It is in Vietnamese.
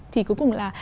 thì cuối cùng là